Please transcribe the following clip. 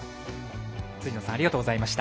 辻野さんありがとうございました。